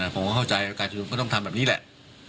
ผมก็เข้าใจว่าการชุมนุมก็ต้องทำแบบนี้แหละ